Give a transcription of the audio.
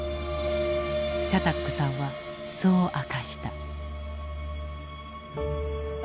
シャタックさんはそう明かした。